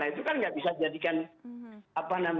itu kan nggak bisa dijadikan